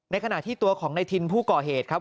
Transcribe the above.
ขณะที่ตัวของในทินผู้ก่อเหตุครับ